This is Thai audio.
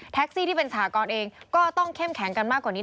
ซี่ที่เป็นสหกรณ์เองก็ต้องเข้มแข็งกันมากกว่านี้